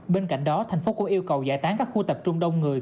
bên cạnh đó thành phố cũng yêu cầu giải tán các khu tập trung đông người